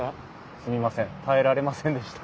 すみません耐えられませんでした。